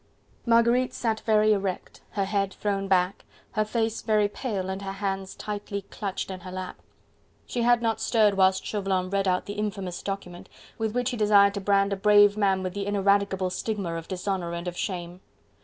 Marguerite sat very erect, her head thrown back, her face very pale and her hands tightly clutched in her lap. She had not stirred whilst Chauvelin read out the infamous document, with which he desired to brand a brave man with the ineradicable stigma of dishonour and of shame.